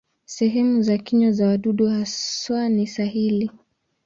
Sehemu za kinywa za wadudu hawa ni sahili.